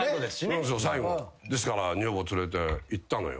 そうそう最後ですから女房連れて行ったのよ。